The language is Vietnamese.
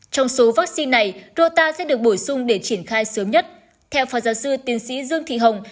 trong số vaccine này rota sẽ được bổ sung để triển khai sớm nhất theo phó giáo sư tiến sĩ dương thị hồng